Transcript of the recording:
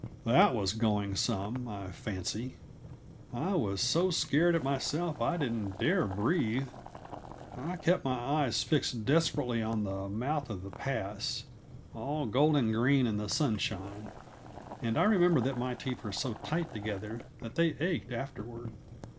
That was going some, I fancy! I was so scared at myself I didn't dare breathe. I kept my eyes fixed desperately on the mouth of the pass, all golden green in the sunshine; and I remember that my teeth were so tight together that they ached afterward.